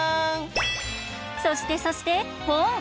そしてそしてポン！